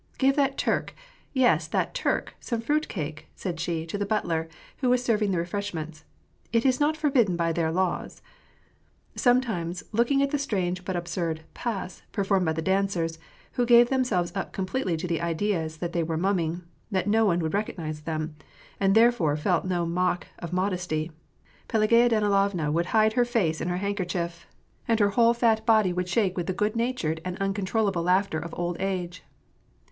" Give that Turk, yes that Turk, some fruit cake," said she to the butler, who was serving the refreshments ;" it is not forbidden by their laws." Sometimes, looking at the strange but absurd pas performed by the dancers, who gave themselves up completely to the ideas that they were mumming, that no one would recog^ze them, and therefore felt no mock modesty, Pelagaya Danilovna would hide her face in her handkerchief, and her whole fat WAR AND PEACE, 297 body would shake with the good natured and uncontrollable laughter of old age.